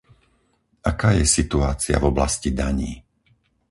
Aká je situácia v oblasti daní?